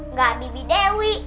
nggak bibi dewi